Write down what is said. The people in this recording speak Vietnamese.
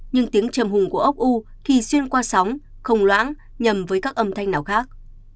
nhưng tiếng trầm hùng của ốc u thì xuyên qua sóng không loãng nhầm với các âm thanh nào khác